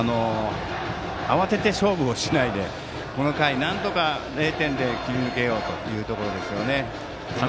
慌てて勝負をしないでこの回、なんとか０点で切り抜けようというところですね。